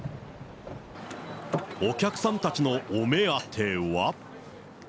お客さんたちのお目当ては。